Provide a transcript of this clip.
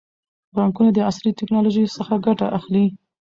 بانکونه د عصري ټکنالوژۍ څخه ګټه اخلي.